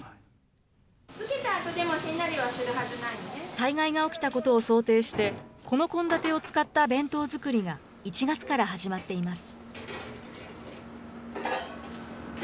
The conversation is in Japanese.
災害が起きたことを想定して、この献立を使った弁当作りが１月から始まっています。